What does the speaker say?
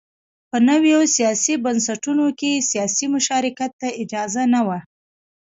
په نویو سیاسي بنسټونو کې سیاسي مشارکت ته اجازه نه وه.